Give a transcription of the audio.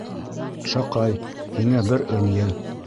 Шаҡай, һиңә бер ынйы.